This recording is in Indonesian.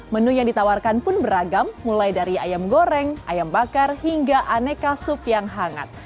menu yang ditawarkan pun beragam mulai dari ayam goreng ayam bakar hingga aneka sup yang hangat